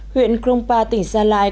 huyện krongpa tỉnh gia lai